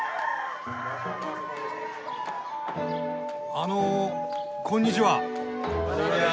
あのこんにちは。